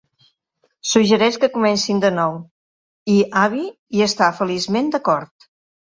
Suggereix que comencin de nou, i Abby hi està feliçment d'acord.